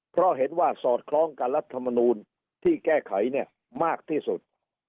เพราะเห็นว่าสอดคล้องกับรัฐมนูลที่แก้ไขเนี่ยมากที่สุด